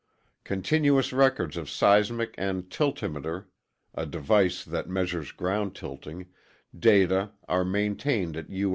Continuous records of seismic and tiltmeter (a device that measures ground tilting) data are maintained at U.